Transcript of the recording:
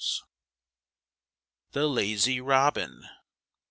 THE LAZY ROBIN.